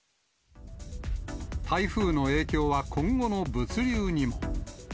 台風の影響は今後の物流にも。